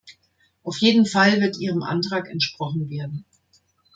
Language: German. Auf jeden Fall wird Ihrem Antrag entsprochen werden.